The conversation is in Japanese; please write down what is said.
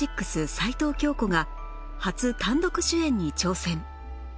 齊藤京子が初単独主演に挑戦